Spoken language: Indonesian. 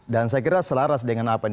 dan saya kira selaras dengan apa ini